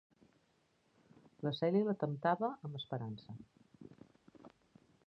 La Celia la temptava amb esperança.